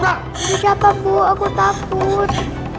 bagaimana bu aku takut